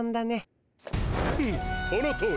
フッそのとおり。